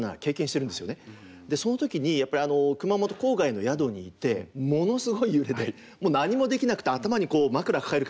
その時に熊本郊外の宿にいてものすごい揺れでもう何もできなくて頭にこう枕抱える感じで。